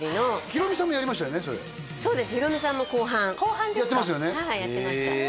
ヒロミさんも後半やってましたよね